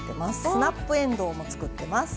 スナップエンドウも作ってます。